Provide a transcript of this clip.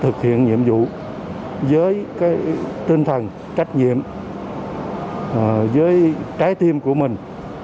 thực hiện nhiệm vụ với cái tinh thần trách nhiệm với trái tim của mình